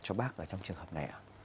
cho bác trong trường hợp này